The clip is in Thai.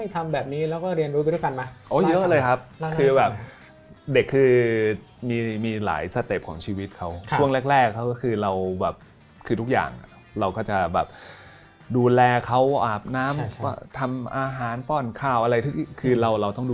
ตรงความขัดแย้ง